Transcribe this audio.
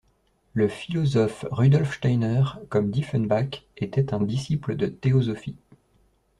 Le philosophe Rudolf Steiner, comme Diefenbach, était un disciple de Théosophie.